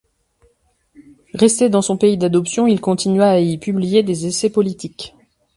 Resté dans son pays d'adoption, il continua à y publier des essais politiques.